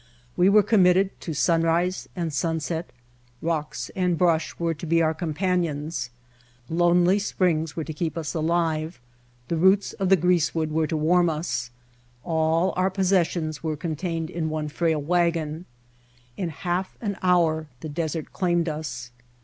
We were committed to sunrise and sunset, rocks and brush were to be our companions, lonely springs were to keep us alive, the roots of the greasewood were to warm us, all our possessions were con tained in one frail wagon. In half an hour the desert claimed us.